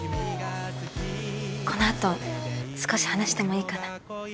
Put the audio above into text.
この後少し話してもいいかな？